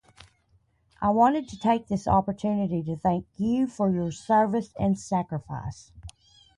I wanted to take this opportunity to thank you for your service and sacrifice.